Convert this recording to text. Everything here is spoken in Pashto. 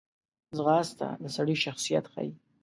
ځغاسته د سړي شخصیت ښیي